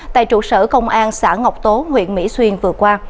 tại trụ sở công an xã ngọc tố huyện mỹ xuyên vừa qua